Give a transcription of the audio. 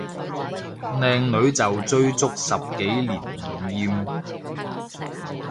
靚女就追足十幾年唔厭